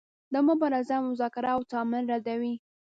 دا مبارزه مذاکره او تعامل ردوي.